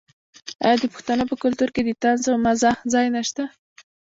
آیا د پښتنو په کلتور کې د طنز او مزاح ځای نشته؟